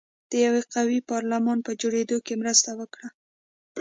د یوه قوي پارلمان په جوړېدو کې مرسته وکړه.